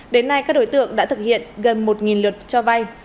đến nay các đối tượng đã thực hiện gần một luật cho vai